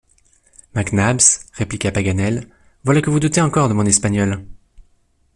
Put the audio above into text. Mac Nabbs, répliqua Paganel, voilà que vous doutez encore de mon espagnol!